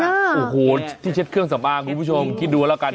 โอ้โหที่เช็ดเครื่องสำอางคุณผู้ชมคิดดูแล้วกัน